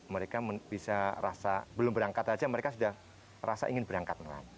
mereka bisa rasa belum berangkat saja mereka sudah rasa ingin berangkat